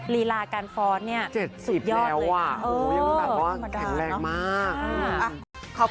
รีลาการฟอนด์เนี่ยสุดยอดเลยค่ะ